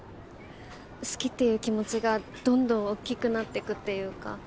好きっていう気持ちがどんどん大きくなってくっていうか。